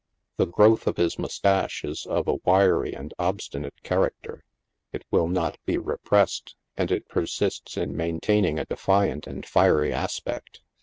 'I he growth of his moustache is of a wiry and obsti nate character ; it will not be repressed, and it persists in maintain ing a defiant and fiory aspect.